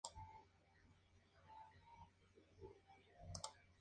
Es una de las escuelas más grandes en Nueva Zelanda.